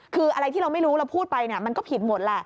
คืออะไรที่เราไม่รู้เราพูดไปมันก็ผิดหมดแหละ